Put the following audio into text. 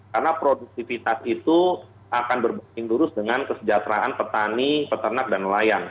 karena produktivitas itu akan berbasing lurus dengan kesejahteraan petani peternak dan nelayan